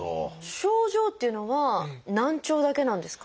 症状っていうのは難聴だけなんですか？